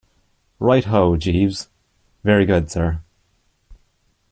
'Right ho, Jeeves.' 'Very good, sir.'